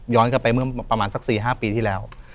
ย้อนกลับไปประมาณสัก๔๕ปีที่แล้ว